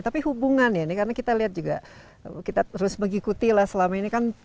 tapi hubungan ya ini karena kita lihat juga kita terus mengikuti lah selama ini kan